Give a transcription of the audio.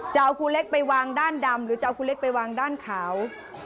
จะเอาครูเล็กไปวางด้านดำหรือจะเอาครูเล็กไปวางด้านขาว